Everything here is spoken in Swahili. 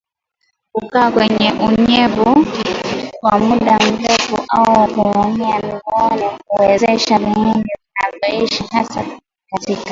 Kukaa kwenye unyevu kwa muda mrefu au kuumia mguuni huwezesha viini vinavyoishi hasa katika